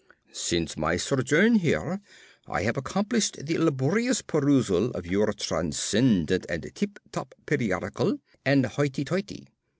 Since my sojourn here, I have accomplished the laborious perusal of your transcendent and tip top periodical, and, hoity toity!